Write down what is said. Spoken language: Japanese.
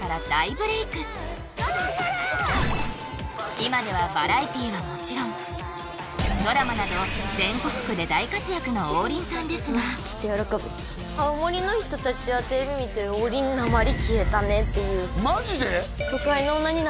今ではバラエティーはもちろんドラマなど全国区で大活躍の王林さんですが青森の人達はテレビ見てマジで？